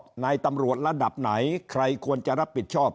นายตำรวจระดับไหนใครควรจะรับผิดชอบ